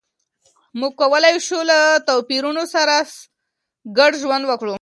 موږ کولای شو له توپیرونو سره سره ګډ ژوند وکړو.